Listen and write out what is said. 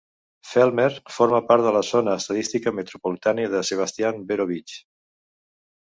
Fellsmere forma part de la zona estadística metropolitana de Sebastian-Vero Beach.